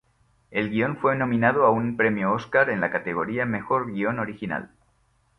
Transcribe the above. El guion fue nominado a un premio Oscar en la categoría Mejor Guion Original.